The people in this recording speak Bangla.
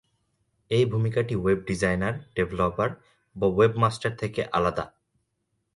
এই ভূমিকাটি ওয়েব ডিজাইনার, ডেভেলপার বা ওয়েবমাস্টার থেকে আলাদা।